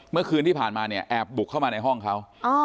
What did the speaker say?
เมื่อคืนที่ผ่านมาเนี่ยแอบบุกเข้ามาในห้องเขา